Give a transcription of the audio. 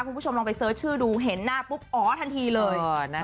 คุณผู้ชมลองไปเสิร์ชชื่อดูเห็นหน้าปุ๊บอ๋อทันทีเลย